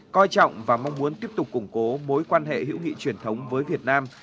coi trọng và mong muốn tiếp tục củng cố mối quan hệ hữu nghị truyền thống với việt nam